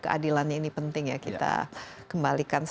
keadilannya ini penting ya kita kembalikan